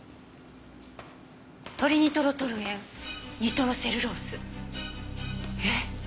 「トリニトロトルエン」「ニトロセルロース」えっ！？